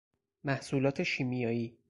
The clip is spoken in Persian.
محصولات شیمیایی